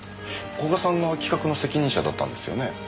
古賀さんが企画の責任者だったんですよね？